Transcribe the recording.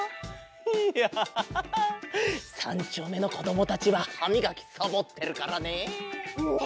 いや３ちょうめのこどもたちははみがきサボってるからね！ね！